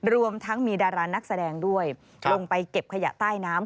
รวมทั้งมีดารานักแสดงด้วยลงไปเก็บขยะใต้น้ำ